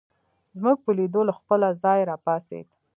زموږ په لیدو له خپله ځایه راپاڅېد.